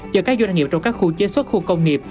cho các doanh nghiệp trong các khu chế xuất khu công nghiệp